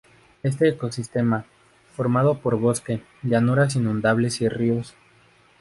Este ecosistema, formado por bosque, llanuras inundables y ríos.